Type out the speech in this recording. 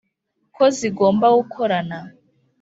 ko zigomba gukorana